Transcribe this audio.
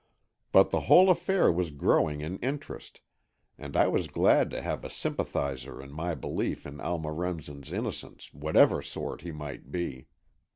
But the whole affair was growing in interest, and I was glad to have a sympathizer in my belief in Alma Remsen's innocence, whatever sort he might be.